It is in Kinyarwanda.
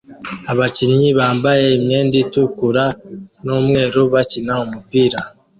Abakinnyi bambaye imyenda itukura n'umweru bakina umupira